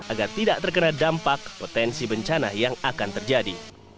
agar tidak terkena dampak potensi bencana yang akan terjadi